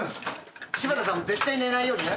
柴田さんも絶対寝ないようにね。